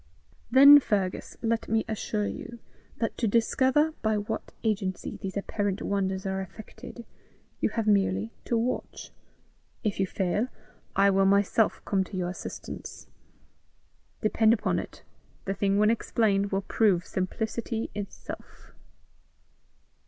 "Then, Fergus, let me assure you, that to discover by what agency these apparent wonders are effected, you have merely to watch. If you fail, I will myself come to your assistance. Depend upon it, the thing when explained will prove simplicity itself."